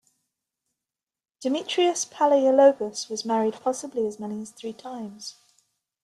Demetrios Palaiologos was married possibly as many as three times.